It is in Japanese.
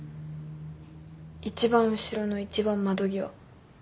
一番後ろの一番窓際。